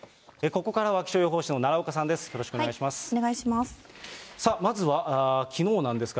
ここからは気象予報士の奈良岡さんです。